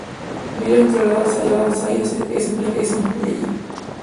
Su familia se traslada a Saigón y ella es empleada por una familia allí.